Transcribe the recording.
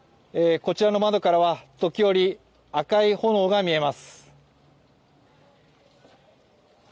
こちらの窓からは時折、赤い炎が見えます。